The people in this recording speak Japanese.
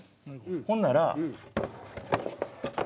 ほんなら。